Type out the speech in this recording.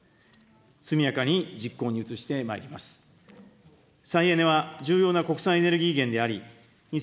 速やかに実行に移してまいります。